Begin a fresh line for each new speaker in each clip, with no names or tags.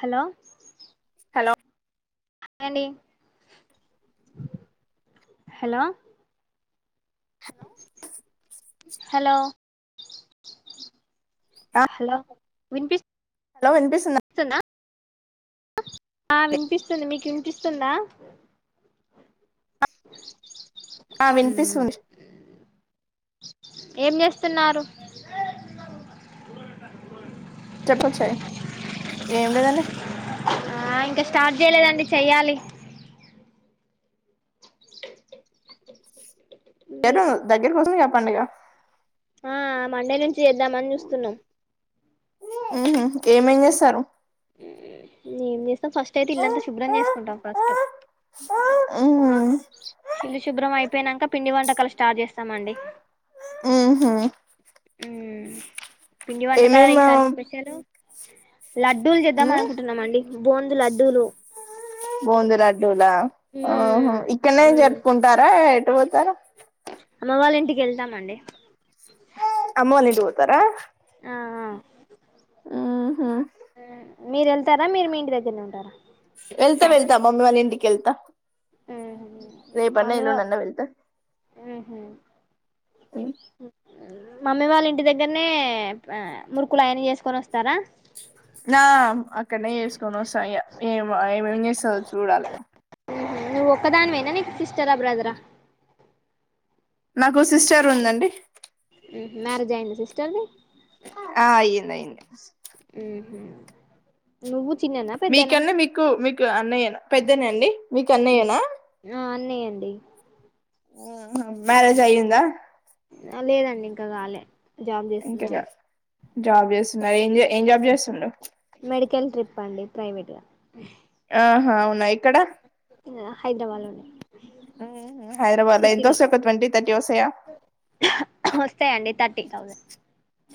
Hello
hello
ండి hello
hello
hello hello వినిపిస్
hello వినిపిస్
స్తుంద ఆ
అండి
వినిపిస్తుంది మీకు వినిపిస్తుందా
ఆ
మ్మ్.
వినిపిస్తుంది
ఏం చేస్తున్నారు
చెప్పొచ్చాయి ఏం లేదండి
ఆ ఇంకా స్టార్ట్ చేయలేదండి చెయ్యాలి మీ
ఎడు దగ్గర కోసం చే పండుగ
ఆ మండే నుంచి చేద్దామని చూస్తున్నాం
హ్మ హ్మ ఏమేం చేస్తారు
ఏం చేస్తాం ఫస్ట్ అయితే ఇల్లంతా శుభ్రం చేసుకుంటాం ఫస్ట్ ఇల్లు శుభ్రం అయిపో పోయినాక పిండి వంటకాలు స్టార్ట్ చేస్తామండి
హ్మ హ్మ
హ్మ పిండి వంటకాలు
ఏమేమి
ఈసారి స్పెషల్ లడ్ ూల్లు చేద్దామ అకుంటున్నామండి బోందు లడ్డూలు
బోందులడ్డడులా ఆహ
మ్మ్.
ఇక్కడనే
మ్మ్.
జరుపుకుంటారా ఏ ఎటుపోతారు
అమ్మ వాళ్ళ ఇంటికి వెళ్తామండి
అమ్మోల ఇంటికి పోతారా
ఆ ఆ
హ్మ హ్మ
మీరు వెళ్తారా మీరు మీ ఇంటి దగ్గరనే ఉంటారా
వెళ్తా వెళ్తా మమ్మీ వాళ్ళ ఇంటికి వెళ్తా రేపన్న
మమ్మీ వా
ఎల్లుండి అన్న వెళ్తా
ఉహు మమ్మీ వాళ్ళ ఇంటి దగ్గరనే మురుకులు ఆయన్ని చేసుకొని వస్తారా
నా అక్కడనే చేసుకొని వస్తాఇగ ఏ ఏమేం చేస్తందో చూడాలి
నువ్వు ఒక్కానివేనా నీక్ సిస్టీరా బ్రాదరా
నాకు సిస్టర్ ఉందండి
ఉమ్ మ్యారేజ్ అయింది సిస్టర్ది
నైది
ఉహు నువ్వు చిన్ననా పెద్దనా
మీకన్నా మీకు మీకు అన్నయ్య పెద్దనే అండి మీకు
ఉహు
అన్నయ్యనా
ఆ అన్నేయండీ
ఆహా మ్యారేజ్ అయిదా
ఆ లేదండి ఇంకా కాలే జాబ్
ఇంకా
చేస్తున్నాడు
జాబ్ చేస్తున్నారు ఏం ఏం జాబ్ చేస్తుండ
మెడికల్ రిప్ పండి ప్రైవేటుగా
ఆహా అవున ఇప్ క్కడ
హైదరాబాద్లోనే
హైదరాబాద్ లో
సిటీలో
ఎంతొస్తాయి ట్వంటథర్టీ వస్తాయా
వస్తాయండి థర్టీ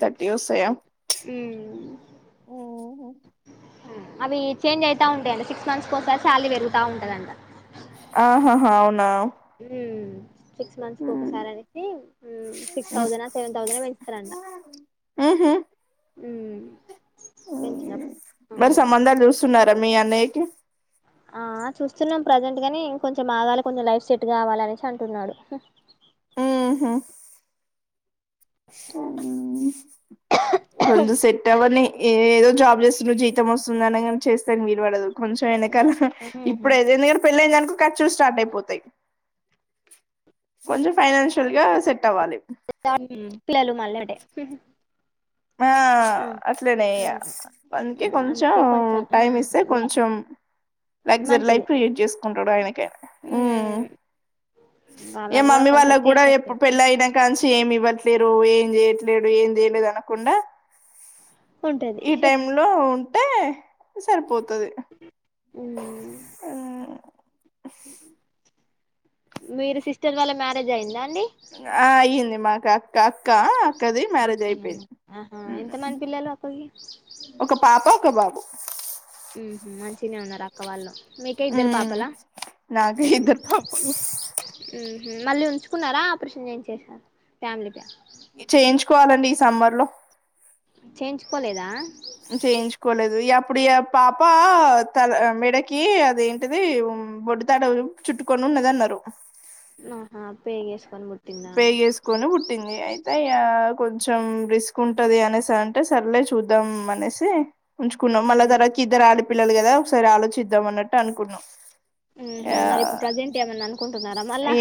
థర్టీ వస్తాయా
థౌజండ్ అవి చేంజ్ అయితా ఉంటాయి అండి సిక్స్ మంత్స్ కోసారి సాలరీ పెరుగుతా ఉంటదంట
ఆహాహా అవున్ అవ్
ఉమ్ సిక్స్ మంత్స్ కు ఒకసారి అనేసి సిక్స్ థౌసండ్ సెవెన్ థౌసండ్ పెంచుతరాంటా ఉమ్
హ్మ్మ్ మరి సంబంధాలు చూస్తున్నారా మీ అన్నయ్యకి
ఆ చూస్తున్నాం ప్రజెంట్ గాని ఇన్ కొంచెం ఆగాలి కొంచెం లైఫ్ సెట్ కావాల అనేసి అంటున్నాడు.
ఉహు [inaudible] కొంచెం సెట్ అవ్వని ఏ ఏదో జాబ్ చేస్తుండ జీతం వస్తుంది అనేగాని చేస్తానికి వీలు పడదు. కొంచెం వెనకాల ఇప్పుడ ఎందుకంటే పెళ్ళి అయిదనుకో ఖర్చులు స్టార్ట్ అయిపోతాయి కొంచెము ఫైన్ న్షియల్ గా సెట్ అవ్వాలి.
పిల్లలు మల్లాడ్డే
ఆ అట్లేనే అయ్య అందుకే కొంచెం
అందుకే కొంచెం
టైం ఇస్తే
లే
కొంచెం లగ్జరీ
మంచిది
లైఫ్ లీడ్ చేసుకుంటాడు. ఆయనకి ఐన ఉ
వాళ్ళకు కూడా
మమ్మీ వాళ్ళ
కొంచెం
కూడా
తెలిసి
ఎప్పు
వస్తది
పెళ్ళ అయినా కాన్చి ఏమి ఇవ్వట్లేరు ఏం ఏం లేడు ఏం జేయలేదనా కుండ
ఉంటది
ఈ టైమ్ లో టే సరిపోత్ తది అ [inaudible]
మీరు సిస్టర్ వాళ్ళ మ్యారేజ్ అయిందా అండి.
ఆ అయ్యింది మాకా అక్క అక్కది మ్యారేజ్
అక్కనండి
అయిపోయింది
ఆహా ఎంతమంది పిల్లలు అక్కకి
ఒక పాప ఒక బాబు
ఉహు మంచినే ఉన్నరా అక్క వాళ్ళు మీకే ఇద్దరు
ఉమ్
పాపలా
నాకే ఇద్దరు పాపలు
హు మళ్ళీ ఉంచుకున్నారా ఆపరేషన్ చేయించేశారా ఫ్యామిలీ ప్యాక్
చేయించుకోవాలండి. సమ్మర్ లో
చేయించుకోలేదా.
చేయించుకోలేదు. ఇయ అప్పుడు ఇయ పాప తల మెడకి అదేంటిది బొడ్డు తాడు చుట్టుకొని ఉన్నదన్నరు.
ఆహా పేగు ఎసుకొని పుట్టిందా
య కొంచెం రిస్క్ ఉంటది. అనేసి అంటే సర్లే చు ద్దాం ఆనేసి ఉంచుకున్నాం మళ్ళ
ఉహు
తర్వాత ఇద్దరు ఆడ పిల్లలు గదా ఒకసారి ఆలోచిద్దాం అన్నట్టు అనుకున్నాం
ఉహు మరి ఇప్పుడు
ఆ
ప్రజెంట్ ఏమన్నా అనుకుం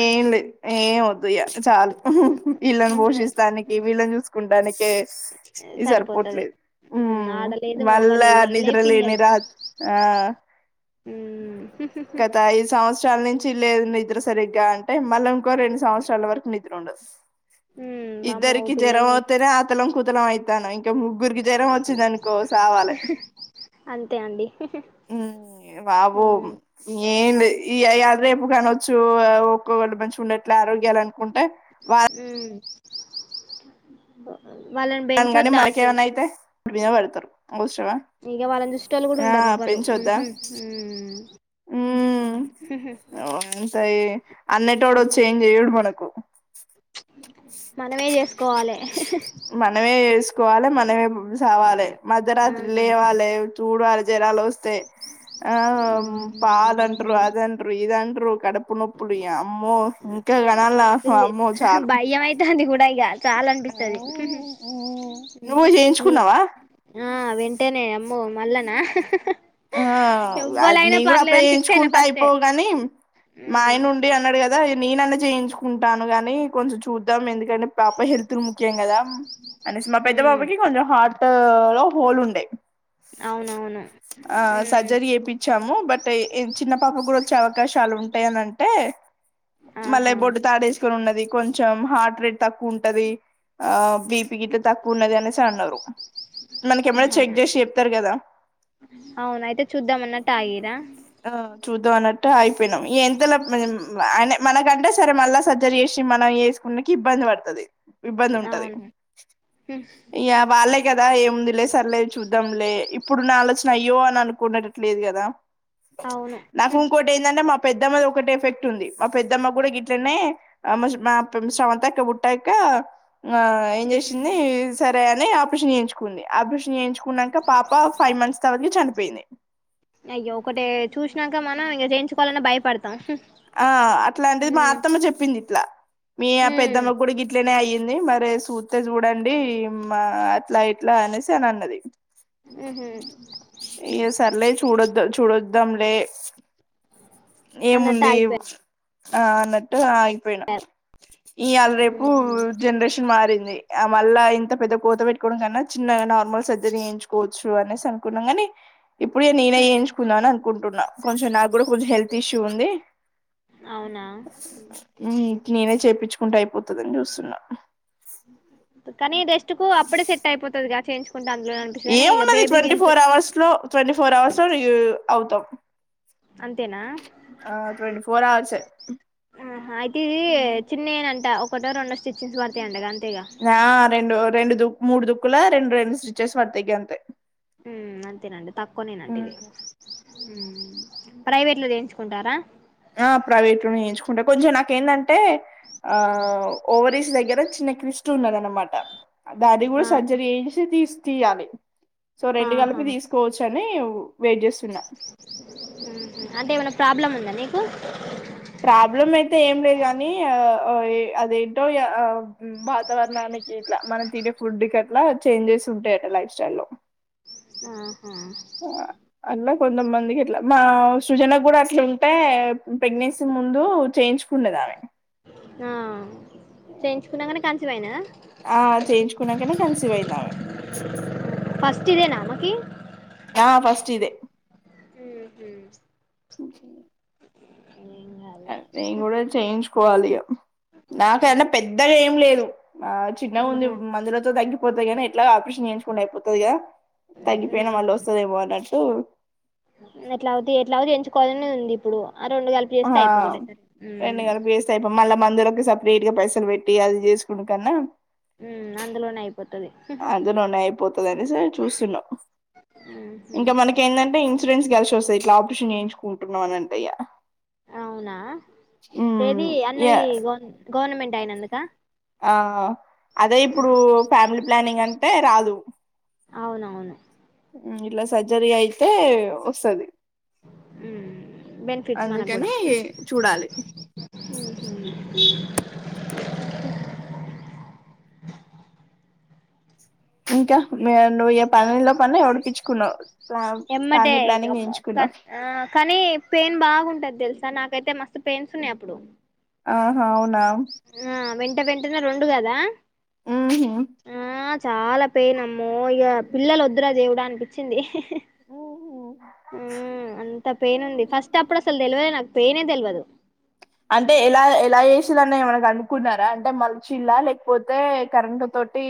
ఏం లేదు ఎం వోదు గో యా చాలు ఉహు వీళ్ళని
ఉహు
పోషిస్తానికి వీళ్ళను చూస్ కుండ నీకే ఈసారి
సరిపోతది
పోట్లేదు ఉ
ఉమ్
మ్
ఆడలేదు
మళ్ళా
మోగలేదు వాళ్ళే
నిద్రా లేని
పిల్లలు
రాత్ ఆ
ఉమ్
గత ఐదు సంవత్స టల్ నుంచి లేదు నిద్ర సరిగ్గా అంటే మళ్ళా ఇంకో రెండు సంవత్సరాల వరకు నిద్ర ఉండదు
ఉమ్ వామ్మో
ఇద్దరికి జ్వరం
పిల్లల్ని
అవుతనే ఆతలం కు తలం అయితనం ఇంక ముగ్గురికి జ్వరం వచ్చిందనుకో సావలే
అంతే అండి
ఉ బాబు
ఉమ్
ఏంలేదు ఈయ అయదు రేపు కానోచ్చు ఒక్కో ఒకటి మంచిగా ఉండట్లే ఆరోగ్యలు ఉంటే వార్
బా
అం గాని మనకేమన్న అయితే మీద వడ్తరు
ఇగ వాళ్ళని జూశ్టోల్లు గుడుండరు ఒవ్వలు
పెంచొద్దా
మ్హ్ ఉహు
దయే అన్నెటోడొచ్చి ఏం జెయ్యడు మనకు
మనమే చేసుకోవాలే
మనమే ఎసుకోవాలి మనమే సవాలె మధ్యరాత్రి లేవాలి ఊడ్వాలె జరాలొస్తే ఆ పాల్ అంటరు ఇదంటరు కడపు నొప్పులు యామ్మో
భయ్యం అయితాందిపుడు చాలా అనిపిస్తది
నువ్వు
మ్
చేయించుకున్నావా
ఆ వెంటనే అమ్మో మళ్ళనా హ హ హ హ
ఆ అది నేను గూడ అప్పుడే
ఫిక్స్ అయినా
చేయించుకుంటే
ఫస్టే
అయిపోవుగని మా
ఉమ్
ఆయన ఉండి అన్నడు గదా నేన అన్న చేయించుకుంటాను గానీ కొంచెం చూద్దాం ఎందుకంటే పాప హెల్త్ ముఖ్యం గదా అనెసి మా పెద్ద
ఉమ్
బాబకి కొంచెం హా అ లో హోల్ ఉండె
అవునవును
ఆ
ఉమ్
సర్జరీ ఏపిచ్చాము బట్ ఎ ఎం మళ్ళ చిన్న పాప కూడా ఒచ్చే అవకాశాలు ఉంటయని అంటే మళ్ళీ
ఆహా
బొడ్డు తాడేసి ఉన్నది కొంచెం హార్ట్ రేట్ తక్కువ ఉంటది ఆ బీపి గిట్ల తక్కువ ఉన్నది అనేసి అన్నారు మనక ఏమై
ఆహా
చెక్ ఏశి చెప్తరు కదా
అవున అయితే చూద్దామన్నట్టు ఆగిరా
ట్టు అగిపోయినం ఎంత మనకంటే సరే మళ్ళా సర్జరీ చేసి మనం వేసుకుడానికి ఇబ్బంది పడుతుంది ఇబ్బంది ఉంటది
అవును
ఇఅ వాళ్ళే గదా ఏముంది లేదు సార్లే చూద్దాం లే ఇప్పుడు నా ఆలోచన అయ్యో అని అనుకునేటట్ లేదు గదా
అవును
నాకు
హ్మ్.
ఇంకోటేదంటె మ పెద్దమ్మది ఒకట ఎఫెక్ట్ ఉంది మా పెద్దమ్మ కుడ గిట్లనే మ స్రవంతక్క బుట్టాక ఆ ఏం
హ్మ్.
జేశింది సర్ అని ఆపరేషన్ చేయించుకుంది ఆపరేషన్ చేయించుకున్నాక పాప ఫైవ్ మంత్స్ వకి చనిపోయింది
అయ్యో ఒకటే చూశ్నాక మనం ఇంగ చేయించుకోవాలన్న భయపడతం
ఆ అట్లాంటిది మా అత్తమ్మ చెప్పింది ఇట్ల మీ ఆ
హ్మ్.
పెద్దమ్మ గుడికి ఇట్లనే అయ్యంది అయింది మరె చూస్తే చూడండి మా అట్ల ఇట్లా అనేసి అని అన్నది
ఉహు
ఇగ సర్లే చూడొద్ద చూడొద్దాంలే
అన్నట్టు
ఏముంది
ఆగిపోయా
ఆ అన్నట్టు ఆగిపోయినం ఇయాళ్ రేపు
హుహు.
జెన్రేషన్ మారింది ఆ మళ్ళా ఎంత పెద్ద కోత పెట్టుకోవడం కన్నా చిన్నగా నార్మల్ సర్జరీ చేయించుకోవచ్చు అనేసి అనుకున్నాం గాని ఇప్పుడే నేనే ఎంచుకున్నాను అనుకుంటున్నాను కొంచెం నాకు కూడా కొంచెం హెల్త్ తిష్యు ఉంది
అవునా
నే నె చేపించుకుంట అయిపో తదింగ [unintelligible]
కానీ దేశ్ ట్కు అప్పుడే సెట్ అయిపోతదిగా హె
ఏం ఉన్నది ట్వంటీ ఫోర్ అవర్స్ లో ట్వంటీ ఫోర్ అవర్స్ లోన అవుతవ్
అంతేనా
ఫోర్ అవర్సే
ఆహ అయితే ఇది చిన్న యెనంట ఒకటో రెండో స్టిి చ్చస్ పడతాయంంటగా
రా రెండు రెండు దుః మూడు దుక్కుల రెండు రెండు స్టిచ్చెస్ పడతా్ అంతే
ఉమ్ అంతేనండి తక్కువనేేనండి ఇది ప్రైవేట్ లో జేయించుకుంటార
ఆ ప్రైవేట్ లోనె జేయించుకుంటం కొంచం నాకేంటంటే ఆ ఓవరీస్ దగ్గర చిన్న క్రిస్ట్ ఉన్నదన్నమాట దాన్ని కూడ
ఆహా
సర్జరీ ఏంసి తీసు తీయ్యాలి సో రెండు
ఆహా!
కల్పి తీసుకోవచ్చు అండి ని
అంటే ఏమన ప్రాబ్లమ్ ఉంద మీకు
ప్రాబ్లం అయితే ఏం లేదు కానీ ఆ, అదేంటో వాతావరణానికి ఇట్ల మనం తినే ఫుడ్ కి అట్ల చేంజెస్ ఉంటాయట లైఫ్ స్టైల్ లో
[inaudible]
[inaudible] అట్ల కొంతమందికి అట్లా మా సృజన కూడ అట్ల ఉంటే ప్రెగ్నెన్సీ ముందు చేయించుకుండేదామె
చేయించుకున్నా కానే కొంచెమైనా
ఆ చేయించుకున్నాకనే [inaudible]
ఫస్ట్ దే నాన్నకి
ఆ ఫస్ట్ ఇదే
ఉహు
ఉహు ఆ
కాదులే
ఎప్పుడే చెంజే నాకన్నా పెద్ద గా ఏం లేదు చిన్నగా ఉంది
ఆహా
మందులతో తగ్గి పోతేగిన ఎట్లా ఆపరేషన్ చేయించకుండా అయిపోతాది గా తగ్గిపోయినది మళ్ళా వస్తాదేమో అన్నట్టు
అట్లాతే ఎట్లా చేయించుకోవాలనే ఉంది ఇప్పుడు ఆ రెండు కల్పి
ఆ
చేస్తే అయిపోతుండా
రెండు కలిపి చేస్తే అయిపో మళ్ళా మందులకి సపరేట్ గా పైసలు పెట్టి అది చేసుకుంటన్నాం
మ్మ్ అందులోనే అయి
అందులోనే అయిపోతాదని సార్ చూస్తున్నాం
ఉహు
ఇన్సూరెన్స్ కలిసివస్తాయి ఇట్ల ఆపరేషన్ చేయిచుకుంటున్నాం అనంటయ్యా
అవునా ఏది
ఇగ
అన్నది ఒక్ గవర్నమెంట్ అయినందుక
ఆ అదే ఇప్పుడు ఫ్యామిలీ ప్లానింగ్ అంటే రాదు
అవునవును
ఇట్లా సర్జరీ అయితే వస్తది
బెనిఫిట్స్ మనకు కూడా
అందుకని చూడాలి
ఈ [unintelligible]
ఇంకా నువ్వుఏ పన్నులో పన్ను ఎవడికిచ్చుకున్నావ్
ఎమ్మటే ఇక కా ఆ కానీ పెయిన్ బాగుంటది తెలుసు నాకైతే మస్తు పెయిన్స్ ఉన్నాయి అప్పుడు
ఆహ అవునా
ఆ వెంట వెంటనే రెండు కదా
ఆహ
ఆ చాలా పెయిన్ అమ్మో ఇక పిల్లలు వద్దురా దేవుడా అనిపించింది
ఉహు
మ్మ్ అంత పెయిన్ ఉంది ఫస్ట్ అప్పుడు అసలు తెలవద్ నాక్ పెయినే తెలవదు
అంటే ఎలా ఎలా చేసిండ్రు అని ఏమన్నా కనుకున్నారా అంటే మన్చుల లేకపోతే కరెంట్ తోటి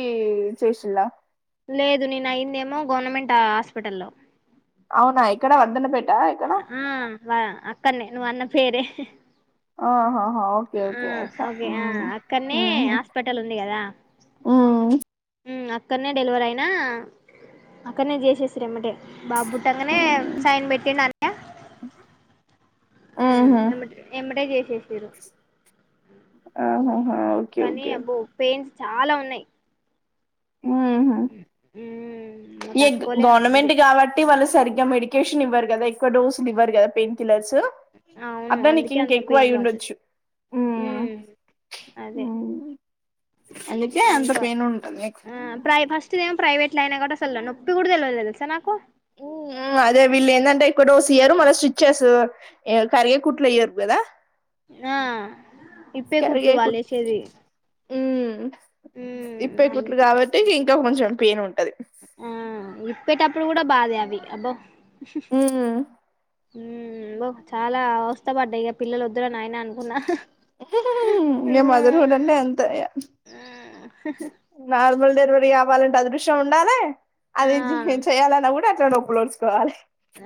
చేసిల్ల
లేదు నేను అయ్యింది ఏమో గవర్నమెంట్ హాస్పిటల్లో
అవునా ఇక్కడ వద్దన్న పెట్
మ్మ్ వా ఆక్ సర్లే నువ్వు అన్న పేరే
ఓహో
మ్మ్ అదే ఆ అక్కడనే
హుహు.
హాస్పిటల్ ఉంది కదా
హ్మ్.
అక్కడనే డెలివర్ అయినా అక్కడనే చేసేసి ఏమ్మటే బాబు పుట్టంగానే సైన్ పెట్టిండు అన్నయ్య హూమ్
హుహు.
ఎమ్మటే ఎమ్మటే చేసేసిరు
ఆహాహా! ఓకే.
కానీ
ఓకే.
అబ్బో పెయిన్స్ చాలా ఉన్నాయ్ ఊమ్
ఏక్ గవర్నమెంట్ కాబట్టి వాళ్ళు సరిగ్గా మెడి కేషన్ ఇవ్వరు కదా ఎక్కువ డోస్లు ఇవ్వరు కదా పెయిన్ కిల్లర్స్.
ఆ
అట్లా నీకు
ఫస్ట్
ఇంకెక్కువ అయ్యుండొచ్చు. హ్మ్. హ్మ్. అందుకే అంత పెయిన్ ఉంటది నీకు.
ఏమో ప్రైవేట్ అట్లగనై అసలు నొప్పి కూడా తెల్వలేద తెలుసా నాకు
ఊమ్ అదే వీళ్ళు ఎందంటే ఎక్కువ డోస్ ఇయరు మల్ల స్టిచెస్ కరగే కుట్లు ఏయరు కదా
ఆ ఇప్పే కుట్లు
కరిగే
వాళ్ళు
కుట్
వేసేది
ఊమ్
మ్మ్
ఇప్పే కుట్లు
అందుకే
కాబట్టి ఇంకా ఇంకా కొంచెం పెయిన్ ఉంటది
ఆ ఇప్పేటప్పుడు కూడా బాధ అవి అబ్బో
ఊమ్
ఉమ్ బ్బో చాలా అవస్త పడ్డా ఇక పిల్లలు వద్దు ఇదుగో నాయనా అనుకున్నా
ఇగ మదర్
ఆ
హుడ్ అంటే అంతే ఇగ
ఆ
నార్మల్ డెలివరీ కావాలంటే అదృశ్యం ఉండాలే అది
ఆ
చేయాలన్నా కూడా క శెనగపప్పులు వలుసు కోవాలి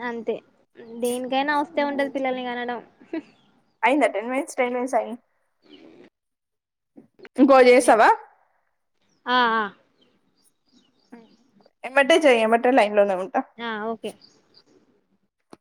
అంతే దేనికైనా వస్తే ఉంటది పిల్లల్ని కనడం సిస్
అయిందా టెన్ మినిట్స్ టెన్ మినిట్స్ అయింది ఇంకో చేస్తావా
ఆ ఆ
ఎమటే చెయి ఎమటే లైన్లే నే వు
ఆ ఓకే